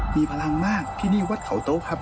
มีพลังมากที่นี่วัดเขาโต๊ะครับ